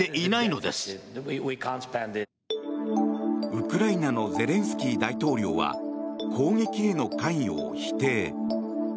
ウクライナのゼレンスキー大統領は攻撃への関与を否定。